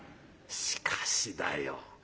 しかしだよ